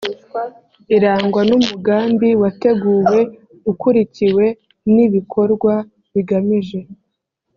irangwa n umugambi wateguwe ukurikiwe n ibikorwa bigamije